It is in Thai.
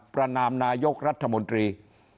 ประนามนายกรัฐมนตรี